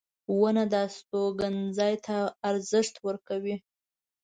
• ونه د استوګنې ځای ته ارزښت ورکوي.